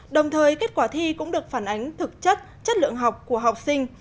đồng thời kết quả thi cũng được phản ánh thực chất chất lượng học của học sinh